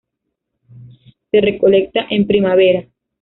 Se recolecta en primavera.